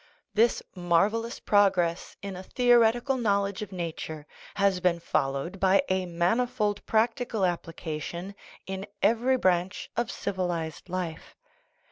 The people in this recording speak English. This marvellous progress in a theoretical knowledge of nature has been followed by a manifold practical ap plication in every branch of civilized life.